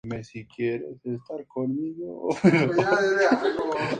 De esa manera, la pía asociación se convirtió en instituto secular "de derecho diocesano".